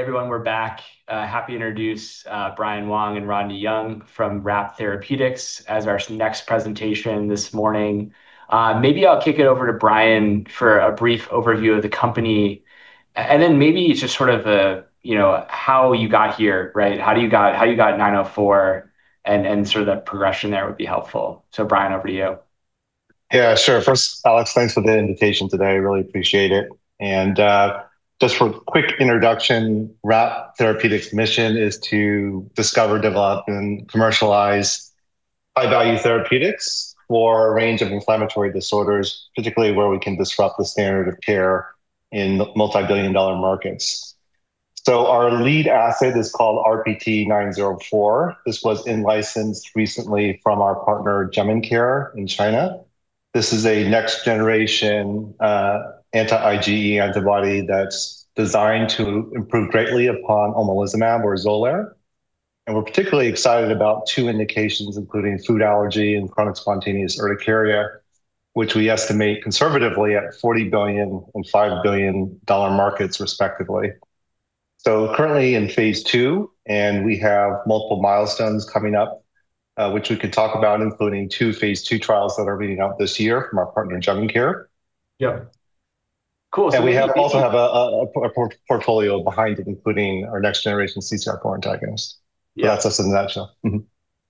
Hey everyone, we're back. Happy to introduce Brian Wong and Rodney Young from RAPT Therapeutics as our next presentation this morning. Maybe I'll kick it over to Brian for a brief overview of the company, and then maybe just sort of, you know, how you got here, right? How you got RPT904 and sort of that progression there would be helpful. Brian, over to you. Yeah, sure. First, I'll explain something in the invitation today. I really appreciate it. Just for a quick introduction, RAPT Therapeutics' mission is to discover, develop, and commercialize high-value therapeutics for a range of inflammatory disorders, particularly where we can disrupt the standard of care in multi-billion dollar markets. Our lead asset is called RPT904. This was in-licensed recently from our partner, Jemincare, in China. This is a next-generation, anti-IgE antibody that's designed to improve greatly upon omalizumab or Xolair. We're particularly excited about two indications, including food allergy and chronic spontaneous urticaria, which we estimate conservatively at $40 billion and $5 billion markets, respectively. Currently in phase II, we have multiple milestones coming up, which we could talk about, including two phase II trials that are being out this year from our partner, Jemincare. Yep. Cool. We also have a portfolio behind it, including our next-generation CCR4 antagonist. Yeah, that's us in a nutshell.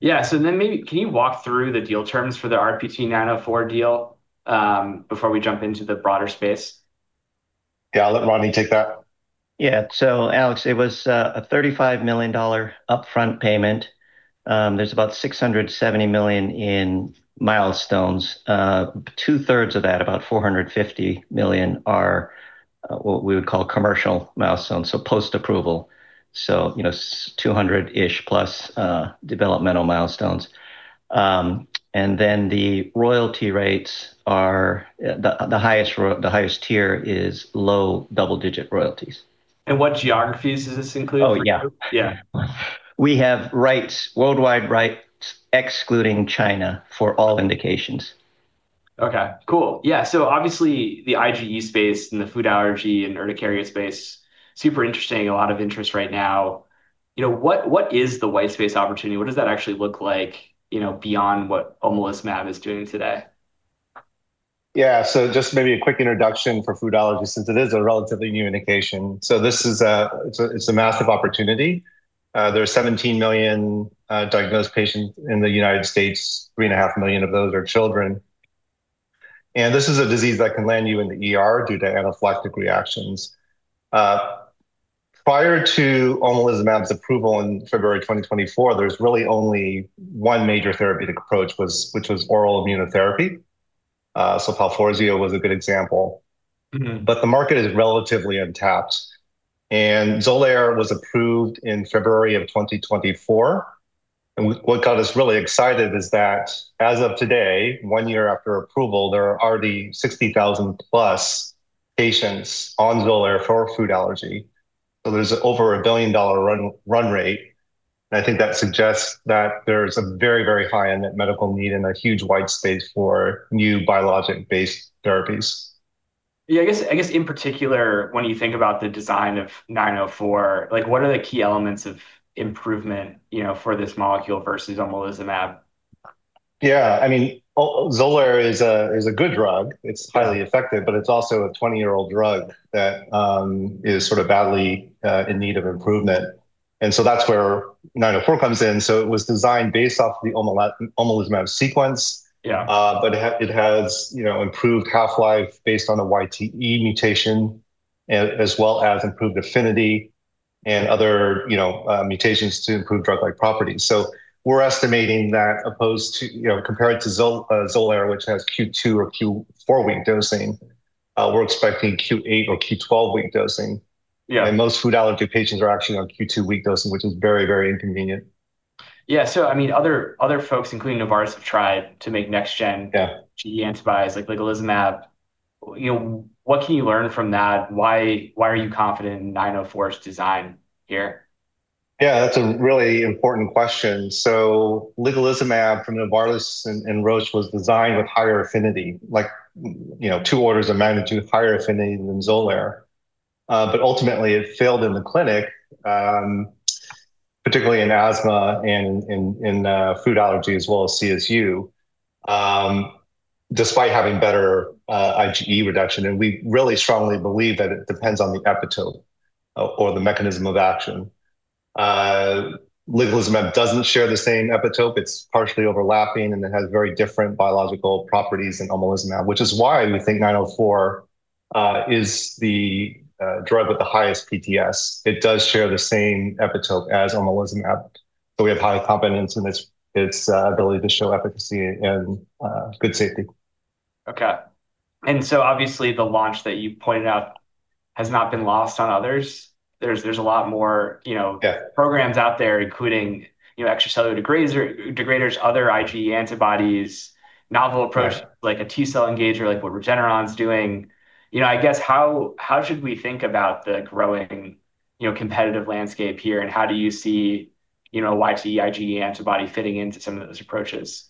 Yeah, maybe, can you walk through the deal terms for the RPT904 deal before we jump into the broader space? Yeah, I'll let Rodney take that. Yeah, so Alex, it was a $35 million upfront payment. There's about $670 million in milestones. Two-thirds of that, about $450 million, are what we would call commercial milestones, post-approval. You know, $200+ million developmental milestones. The royalty rates are, the highest tier is low double-digit royalties. What geographies does this include? Yeah, we have rights, worldwide rights, excluding China, for all indications. Okay, cool. Yeah, so obviously the IgE space and the food allergy and urticaria space, super interesting, a lot of interest right now. What is the white space opportunity? What does that actually look like, you know, beyond what omalizumab is doing today? Yeah, so just maybe a quick introduction for food allergy, since it is a relatively new indication. This is a, it's a massive opportunity. There are 17 million diagnosed patients in the United States. Three and a half million of those are children. This is a disease that can land you in the ER due to anaphylactic reactions. Prior to omalizumab's approval in February 2024, there was really only one major therapeutic approach, which was oral immunotherapy. Sulfafurazole was a good example. The market is relatively untapped. Xolair was approved in February of 2024. What got us really excited is that, as of today, one year after approval, there are already 60,000+ patients on Xolair for food allergy. There's over a $1 billion run rate. I think that suggests that there's a very, very high unmet medical need and a huge white space for new biologic-based therapies. Yeah, I guess in particular, when you think about the design of RPT904, what are the key elements of improvement for this molecule versus omalizumab? Yeah, I mean, Xolair is a good drug. It's highly effective, but it's also a 20-year-old drug that is sort of badly in need of improvement. That's where RPT904 comes in. It was designed based off the omalizumab sequence, but it has improved half-life based on a YTE mutation, as well as improved affinity and other mutations to improve drug-like properties. We're estimating that, compared to Xolair, which has Q2 or Q4 week dosing, we're expecting Q8 or Q12 week dosing. Most food allergy patients are actually on Q2 week dosing, which is very, very inconvenient. Yeah, so I mean, other folks, including Novartis, have tried to make next-gen anti-IgE antibodies like ligelizumab. You know, what can you learn from that? Why are you confident in RPT904's design here? Yeah, that's a really important question. So ligelizumab from Novartis and Roche was designed with higher affinity, like, you know, two orders of magnitude higher affinity than Xolair. Ultimately, it failed in the clinic, particularly in asthma and in food allergy as well as CSU, despite having better IgE reduction. We really strongly believe that it depends on the epitope or the mechanism of action. Ligelizumab doesn't share the same epitope. It's partially overlapping and then has very different biological properties than omalizumab, which is why we think RPT904 is the drug with the highest PTS. It does share the same epitope as omalizumab. We have high confidence in its ability to show efficacy and good safety. Okay. Obviously the launch that you pointed out has not been lost on others. There's a lot more programs out there, including extracellular degraders, other IgE antibodies, novel approaches like a T cell engager, like what Regeneron's doing. I guess how should we think about the growing competitive landscape here? How do you see YTE, IgE antibody fitting into some of those approaches?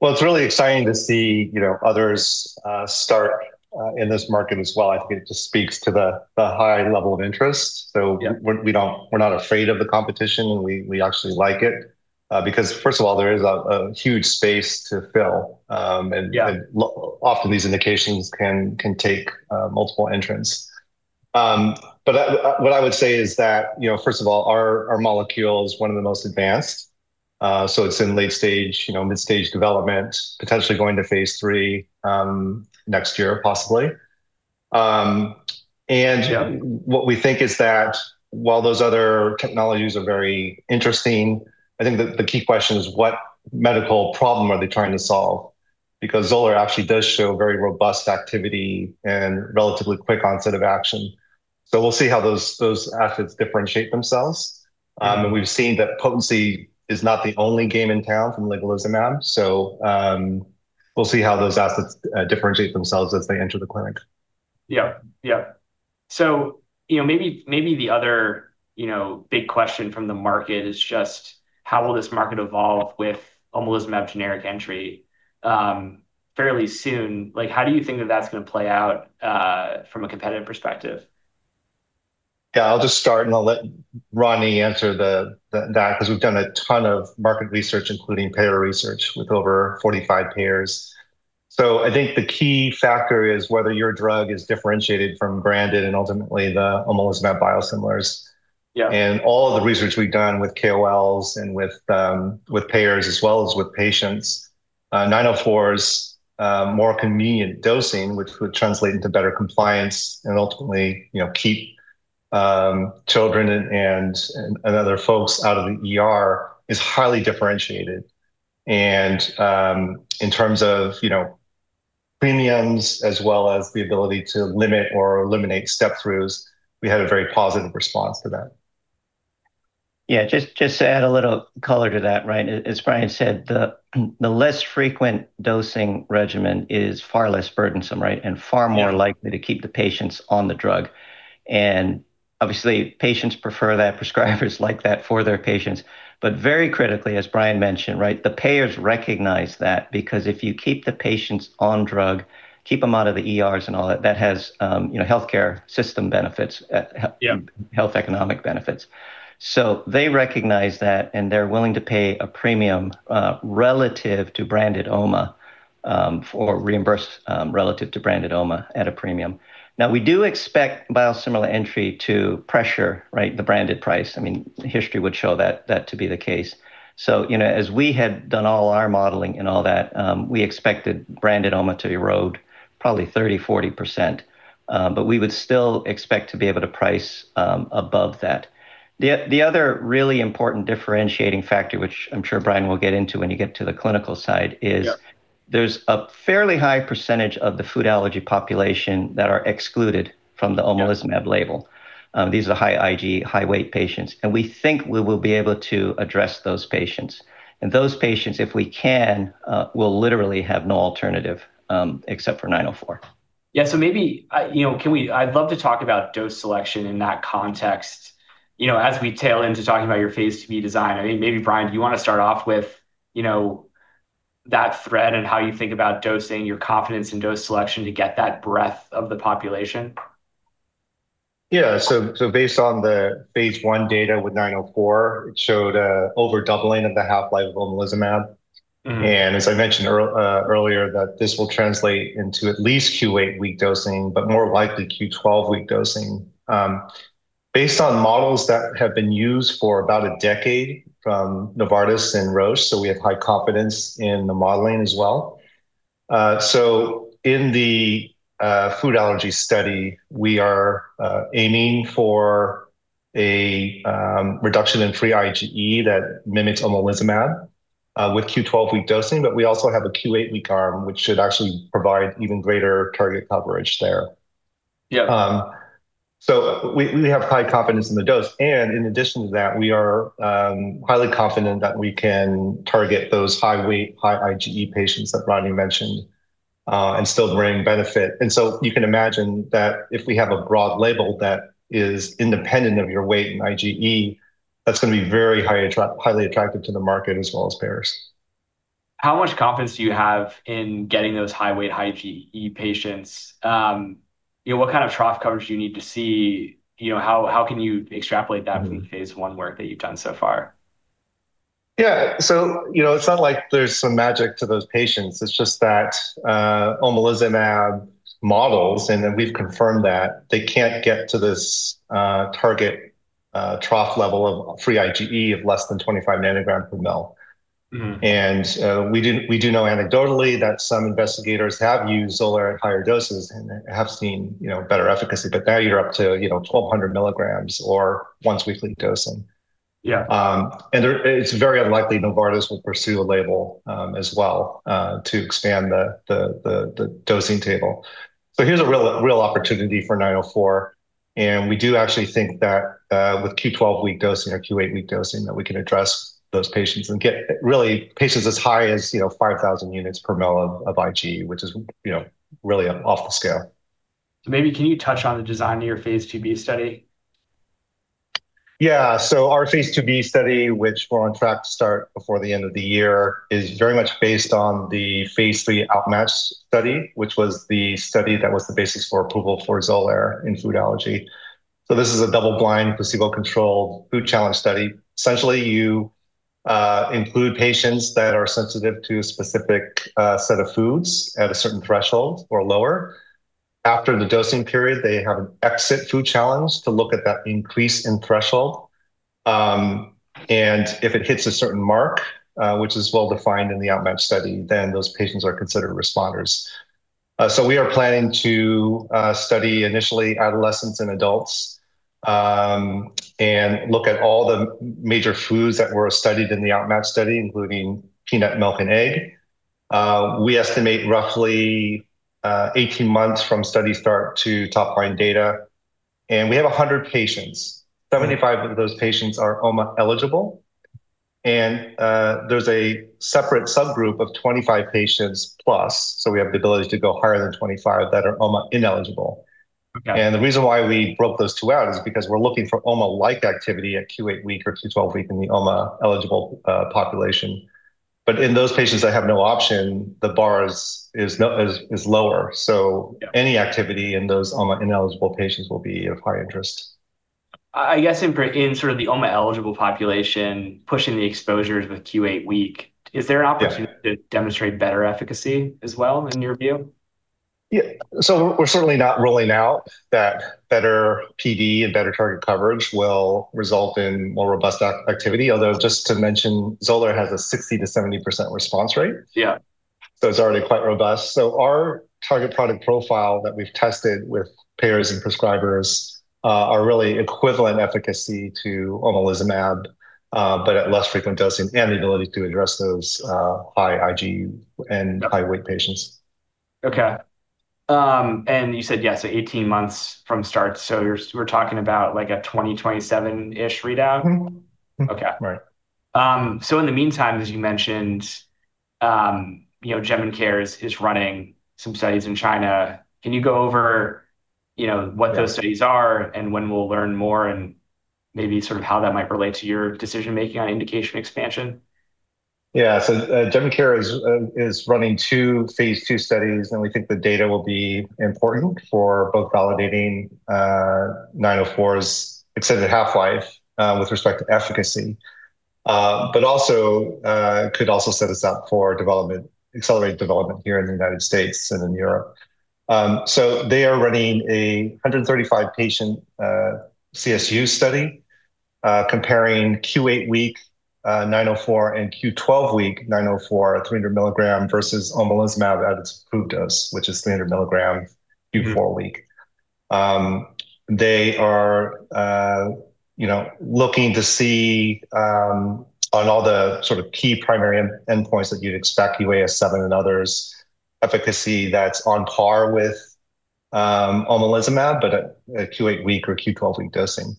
It's really exciting to see others start in this market as well. I think it just speaks to the high level of interest. We don't, we're not afraid of the competition. We actually like it because, first of all, there is a huge space to fill. Often these indications can take multiple entrants. What I would say is that, first of all, our molecule is one of the most advanced. It's in late stage, mid-stage development, potentially going to phase III next year, possibly. What we think is that while those other technologies are very interesting, I think the key question is what medical problem are they trying to solve? Because Xolair actually does show very robust activity and relatively quick onset of action. We'll see how those assets differentiate themselves. We've seen that potency is not the only game in town from ligelizumab. We'll see how those assets differentiate themselves as they enter the clinic. Yeah. Maybe the other big question from the market is just how will this market evolve with omalizumab generic entry fairly soon? Like, how do you think that that's going to play out from a competitive perspective? Yeah, I'll just start and I'll let Rodney answer that because we've done a ton of market research, including payer research with over 45 payers. I think the key factor is whether your drug is differentiated from branded and ultimately the omalizumab biosimilars. All of the research we've done with key opinion leaders and with payers as well as with patients, RPT904's more convenient dosing, which would translate into better compliance and ultimately, you know, keep children and other folks out of the is highly differentiated. In terms of premiums as well as the ability to limit or eliminate step-throughs, we had a very positive response to that. Yeah, just to add a little color to that, right? As Brian said, the less frequent dosing regimen is far less burdensome, right? Far more likely to keep the patients on the drug. Obviously, patients prefer that, prescribers like that for their patients. Very critically, as Brian mentioned, the payers recognize that because if you keep the patients on drug, keep them out of the ERs and all that, that has healthcare system benefits, health economic benefits. They recognize that and they're willing to pay a premium, relative to branded OMA, or reimburse, relative to branded OMA at a premium. We do expect biosimilar entry to pressure the branded price. The history would show that to be the case. As we had done all our modeling and all that, we expected branded OMA to erode probably 30%, 40%. We would still expect to be able to price above that. The other really important differentiating factor, which I'm sure Brian will get into when you get to the clinical side, is there's a fairly high percentage of the food allergy population that are excluded from the omalizumab label. These are the high IgE, high weight patients. We think we will be able to address those patients. Those patients, if we can, will literally have no alternative except for RPT904. Yeah. Maybe, you know, can we, I'd love to talk about dose selection in that context. As we tail into talking about your phase III design, I think maybe Brian, do you want to start off with that thread and how you think about dosing, your confidence in dose selection to get that breadth of the population? Yeah, so based on the phase I data with RPT904, it showed over doubling of the half-life of omalizumab. As I mentioned earlier, this will translate into at least Q8 week dosing, but more likely Q12 week dosing. Based on models that have been used for about a decade from Novartis and Roche, we have high confidence in the modeling as well. In the food allergy study, we are aiming for a reduction in free IgE that mimics omalizumab with Q12 week dosing, but we also have a Q8 week arm, which should actually provide even greater target coverage there. We have high confidence in the dose. In addition to that, we are highly confident that we can target those high weight, high IgE patients that Rodney mentioned and still bring benefit. You can imagine that if we have a broad label that is independent of your weight and IgE, that's going to be very highly attractive to the market as well as payers. How much confidence do you have in getting those high weight, high IgE patients? What kind of trough coverage do you need to see? How can you extrapolate that from the phase I work that you've done so far? Yeah, so you know, it's not like there's some magic to those patients. It's just that omalizumab models, and then we've confirmed that they can't get to this target trough level of free IgE of less than 25 ng per mL. We do know anecdotally that some investigators have used Xolair at higher doses and have seen better efficacy, but now you're up to 1,200 mg or once weekly dosing. It's very unlikely Novartis will pursue a label as well to expand the dosing table. Here's a real opportunity for RPT904. We do actually think that with Q12 week dosing or Q8 week dosing, we can address those patients and get really patients as high as 5,000 units per mL of IgE, which is really an awful scale. Can you touch on the design of your phase II-B study? Yeah, so our phase II-B study, which we're on track to start before the end of the year, is very much based on the phase III OUtMATCH study, which was the study that was the basis for approval for Xolair in food allergy. This is a double-blind, placebo-controlled food challenge study. Essentially, you include patients that are sensitive to a specific set of foods at a certain threshold or lower. After the dosing period, they have an exit food challenge to look at that increase in threshold. If it hits a certain mark, which is well defined in the OUtMATCH study, then those patients are considered responders. We are planning to study initially adolescents and adults and look at all the major foods that were studied in the OUtMATCH study, including peanut, milk, and egg. We estimate roughly 18 months from study start to top-line data. We have 100 patients. 75 of those patients are OMA eligible. There's a separate subgroup of 25 patients plus, so we have the ability to go higher than 25, that are OMA ineligible. The reason why we broke those two out is because we're looking for OMA-like activity at Q8 week or Q12 week in the OMA eligible population. In those patients that have no option, the bar is lower. Any activity in those OMA ineligible patients will be of high interest. I guess in sort of the OMA eligible population, pushing the exposures with Q8 week, is there an opportunity to demonstrate better efficacy as well in your view? Yeah, we're certainly not ruling out that better PD and better target coverage will result in more robust activity, although just to mention, Xolair has a 60%-70% response rate. It's already quite robust. Our target product profile that we've tested with payers and prescribers is really equivalent efficacy to omalizumab, but at less frequent dosing and the ability to address those high IgE and high weight patients. Okay. You said yes to 18 months from start, so we're talking about like a 2027-ish readout. Mm-hmm. Okay. Right. In the meantime, as you mentioned, you know, Jemincare is running some studies in China. Can you go over what those studies are and when we'll learn more and maybe sort of how that might relate to your decision making on indication expansion? Yeah, so Jemincare is running two phase II studies, and we think the data will be important for both validating RPT904's extended half-life with respect to efficacy, but also could set us up for accelerated development here in the United States and in Europe. They are running a 135-patient CSU study comparing Q8 week RPT904 and Q12 week RPT904, 300 mg versus omalizumab at its approved dose, which is 300 mg Q4 week. They are looking to see on all the sort of key primary endpoints that you'd expect, UAS7 and others, efficacy that's on par with omalizumab, but at Q8 week or Q12 week dosing.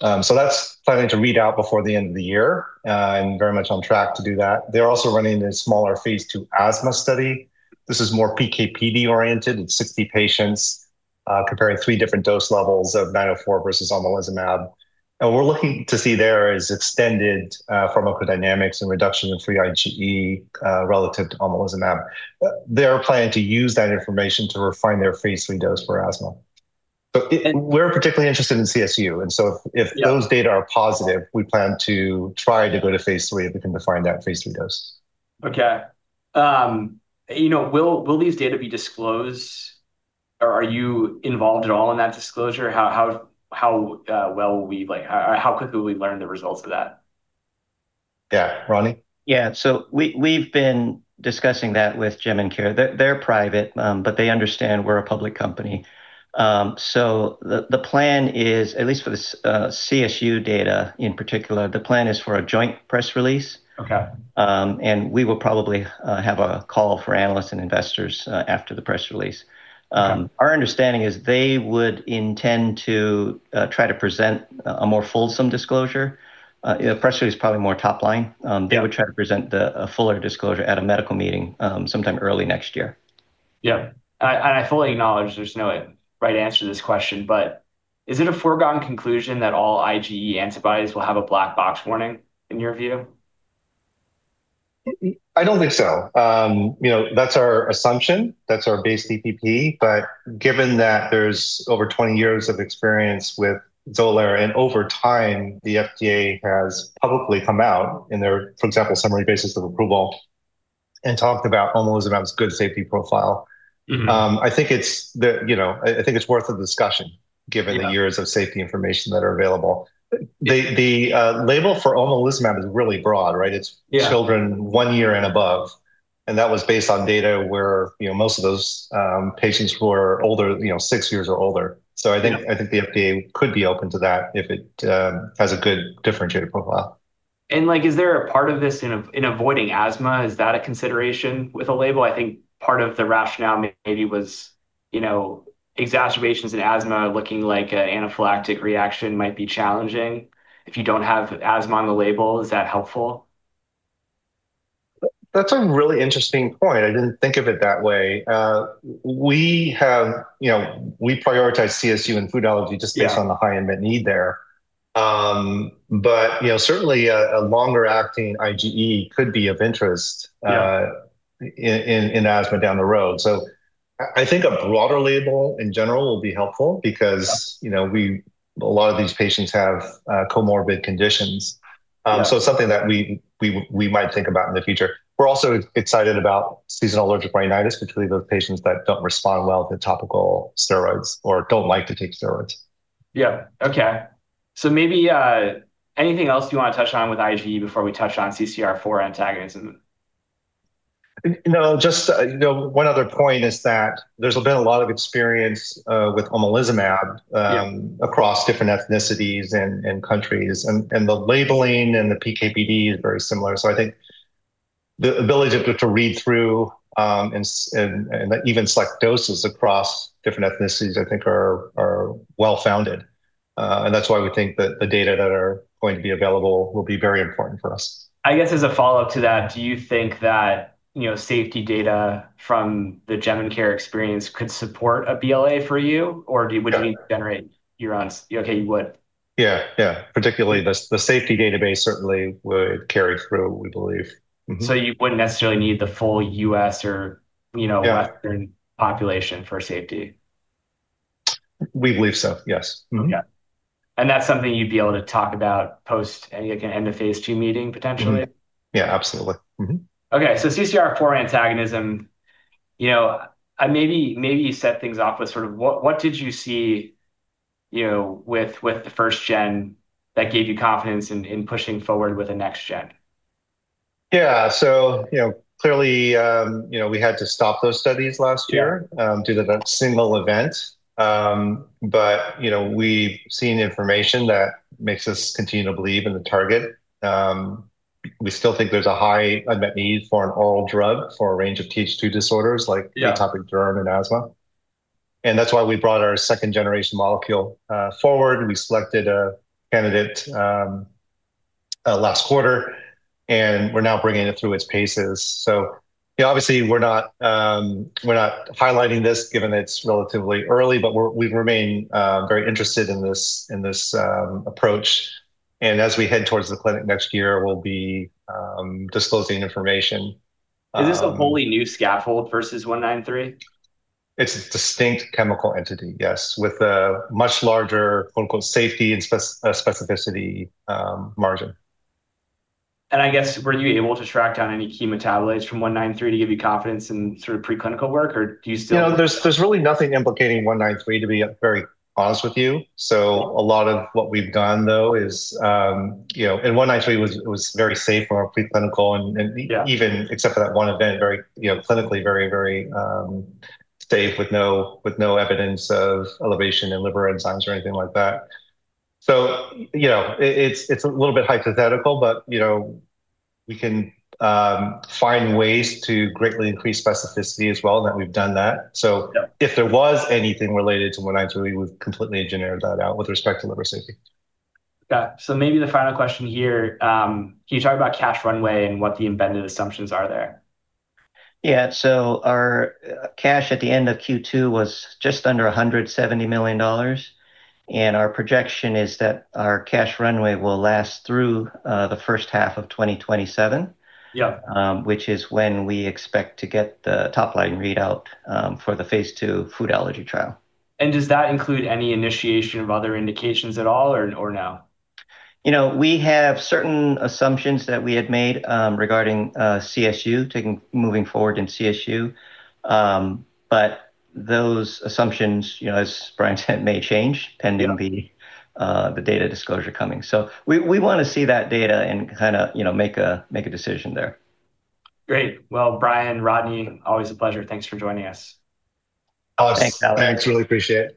That's planning to read out before the end of the year and very much on track to do that. They're also running a smaller phase II asthma study. This is more PKPD oriented. It's 60 patients comparing three different dose levels of RPT904 versus omalizumab. What we're looking to see there is extended pharmacodynamics and reduction in free IgE relative to omalizumab. They're planning to use that information to refine their phase III dose for asthma. We're particularly interested in chronic spontaneous urticaria. If those data are positive, we plan to try to go to phase III if we can define that phase III dose. Okay. You know, will these data be disclosed? Are you involved at all in that disclosure? How quickly will we learn the results of that? Yeah, Rodney? Yeah, we've been discussing that with Jemincare. They're private, but they understand we're a public company. The plan is, at least for the CSU data in particular, the plan is for a joint press release. We will probably have a call for analysts and investors after the press release. Our understanding is they would intend to try to present a more fulsome disclosure. The press release is probably more top-line. They would try to present a fuller disclosure at a medical meeting sometime early next year. Yeah, I fully acknowledge there's no right answer to this question, but is it a foregone conclusion that all IgE antibodies will have a black box warning in your view? I don't think so. You know, that's our assumption. That's our base TPP. Given that there's over 20 years of experience with Xolair and over time, the FDA has publicly come out in their, for example, summary basis of approval and talked about omalizumab's good safety profile, I think it's worth a discussion given the years of safety information that are available. The label for omalizumab is really broad, right? It's children one year and above. That was based on data where most of those patients were older, you know, six years or older. I think the FDA could be open to that if it has a good differentiated profile. Is there a part of this in avoiding asthma? Is that a consideration with a label? I think part of the rationale maybe was, you know, exacerbations in asthma looking like an anaphylactic reaction might be challenging. If you don't have asthma on the label, is that helpful? That's a really interesting point. I didn't think of it that way. We prioritize CSU and food allergy just based on the high unmet need there. Certainly, a longer acting IgE could be of interest in asthma down the road. I think a broader label in general will be helpful because a lot of these patients have comorbid conditions. It's something that we might think about in the future. We're also excited about seasonal allergic rhinitis, particularly those patients that don't respond well to topical steroids or don't like to take steroids. Okay. Maybe anything else you want to touch on with IgE before we touch on CCR4 antagonism? Just, you know, one other point is that there's been a lot of experience with omalizumab across different ethnicities and countries. The labeling and the PKPD is very similar. I think the ability to read through and even select doses across different ethnicities, I think, are well founded. That's why we think that the data that are going to be available will be very important for us. I guess as a follow-up to that, do you think that, you know, safety data from the Jemincare experience could support a BLA for you? Or would you need to generate your own? Okay, you would. Yeah, particularly the safety database certainly would carry through, we believe. You wouldn't necessarily need the full U.S. or, you know, Western population for safety. We believe so, yes. That's something you'd be able to talk about post, again, end of phase II meeting potentially? Yeah, absolutely. Okay, CCR4 antagonism, maybe you set things off with sort of what did you see with the first gen that gave you confidence in pushing forward with the next gen? Yeah, so, clearly, we had to stop those studies last year due to that single event. We've seen information that makes us continue to believe in the target. We still think there's a high unmet need for an all-drug for a range of TH2-driven disorders like atopic burn and asthma. That's why we brought our second-generation molecule forward. We selected a candidate last quarter, and we're now bringing it through its paces. Obviously, we're not finalizing this given it's relatively early, but we remain very interested in this approach. As we head towards the clinic next year, we'll be disclosing information. Is this the wholly new scaffold versus RPT193? It's a distinct chemical entity, yes, with a much larger safety and specificity margin. Were you able to track down any key metabolites from RPT193 to give you confidence in sort of preclinical work, or do you still? You know, there's really nothing implicating RPT193, to be very honest with you. A lot of what we've done, though, is, you know, and RPT193 was very safe from a preclinical and even, except for that one event, clinically very, very safe with no evidence of elevation in liver enzymes or anything like that. It's a little bit hypothetical, but we can find ways to greatly increase specificity as well, and we've done that. If there was anything related to RPT193, we've completely generated that out with respect to liver safety. Maybe the final question here, you talk about cash runway and what the embedded assumptions are there? Yeah, our cash at the end of Q2 was just under $170 million. Our projection is that our cash runway will last through the first half of 2027, which is when we expect to get the top-line readout for the phase II food allergy trial. Does that include any initiation of other indications at all or no? We have certain assumptions that we had made regarding CSU, moving forward in CSU. Those assumptions, as Brian said, may change, and it'll be the data disclosure coming. We want to see that data and kind of make a decision there. Great. Brian, Rodney, always a pleasure. Thanks for joining us. Thanks, Alex. Thanks. Really appreciate it.